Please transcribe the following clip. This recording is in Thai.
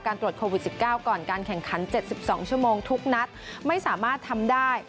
ตรวจโควิด๑๙ก่อนการแข่งขัน๗๒ชั่วโมงทุกนัดไม่สามารถทำได้